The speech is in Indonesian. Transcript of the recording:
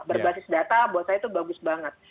berbasis data buat saya itu bagus banget